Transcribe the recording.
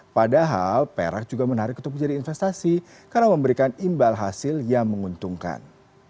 padahal perak juga menarik untuk menjadi investasi karena memberikan imbal hasil yang menguntungkan